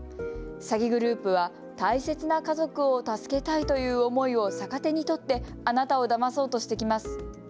詐欺グループは大切な家族を助けたいという思いを逆手に取ってあなたをだまそうとしてきます。